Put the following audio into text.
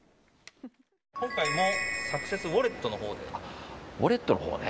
今回もサクセスウォレットのほうで。